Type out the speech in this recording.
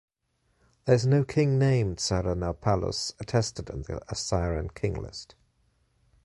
There is no king named Sardanapalus attested in the Assyrian King List.